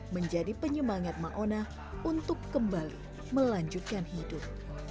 menjadi penyemangat mak ona untuk kembali melanjutkan hidup